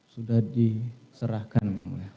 sudah diserahkan ya mulia